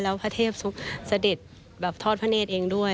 แล้วพระเทพสุขเสด็จแบบทอดพระเนธเองด้วย